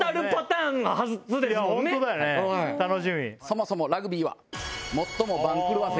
そもそもラグビーは。